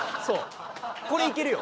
これいけるよ。